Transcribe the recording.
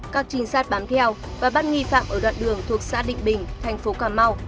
các trinh sát bám theo và bắt nghi phạm ở đoạn đường thuộc xã định bình thành phố cà mau